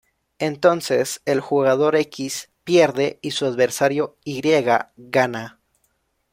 Entonces, el jugador X pierde y su adversario Y gana.